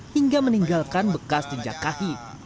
hingga meninggalkan bekas diinjak kaki